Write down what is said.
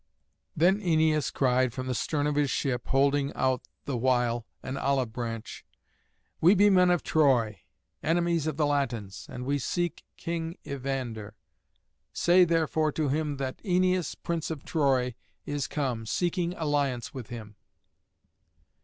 Then Æneas cried from the stern of his ship, holding out the while an olive branch: "We be men of Troy, enemies of the Latins, and we seek King Evander. Say, therefore, to him that Æneas, prince of Troy, is come, seeking alliance with him."